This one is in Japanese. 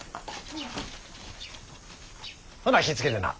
ほな気ぃ付けてな。